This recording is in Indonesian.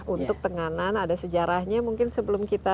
untuk tenganan ada sejarahnya mungkin sebelum kita